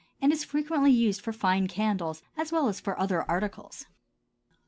and is frequently used for fine candles as well as for other articles.